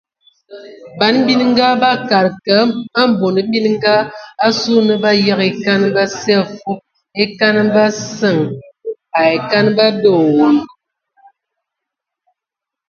Ban bininga bakad kə ai mbonde mininga (nyia) asu na bə yəgə e kan basene afub e kan basen mimboŋ ai e kan babƐ owondo.